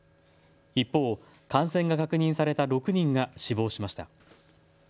一方、感染が確認された６人が死亡しました。